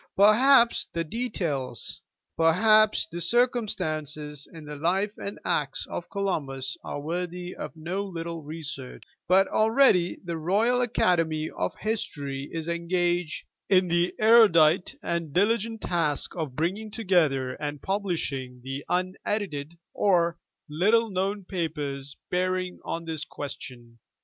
Perhaps the details, perhaps the circumstances in the life and acts of Columbus are worthy of no little research ; but already the Royal Academy of History is engaged in the erudite and diligent task of bringing together and publishing the un edited or little known papers bearing on this question.